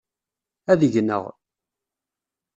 Ad gneɣ.